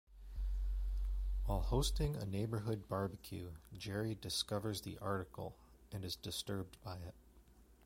While hosting a neighborhood barbecue, Jerry discovers the article and is disturbed by it.